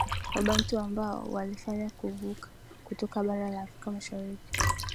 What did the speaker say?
Wabantu ambao walifanya kuvuka kutoka bara la Afrika Mashariki